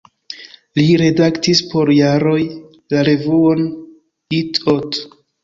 Li redaktis por jaroj la revuon "Itt-Ott".